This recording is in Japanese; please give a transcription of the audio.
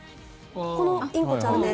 このインコちゃんです。